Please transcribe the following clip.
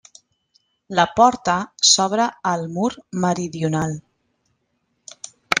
La porta s'obre al mur meridional.